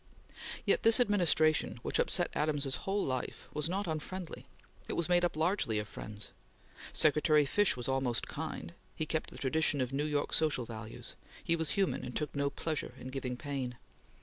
Yet this administration, which upset Adams's whole life, was not unfriendly; it was made up largely of friends. Secretary Fish was almost kind; he kept the tradition of New York social values; he was human and took no pleasure in giving pain.